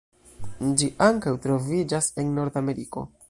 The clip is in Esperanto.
Ĝi ankaŭ troviĝas en Nordameriko.